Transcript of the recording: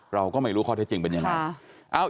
เราก็ไม่รู้ข้อเท็จจริงเป็นยังไง